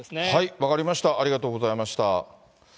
分かりました、ありがとうございました。